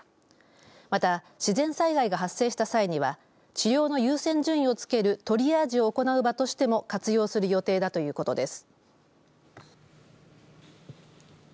また、自然災害が発生した際には治療の優先順位を付けるトリアージを行う場としても活用する予定だということです。